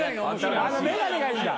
あの眼鏡がいいんだ。